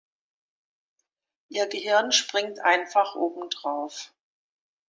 Ihr Gehirn springt einfach oben drauf.